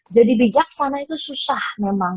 jadi bijaksana itu susah memang